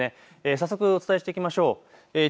早速、お伝えしていきましょう。